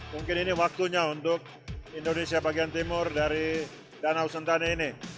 mungkin ini waktunya untuk indonesia bagian timur dari danau sentani ini